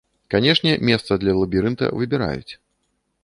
Канешне, месца для лабірынта выбіраюць.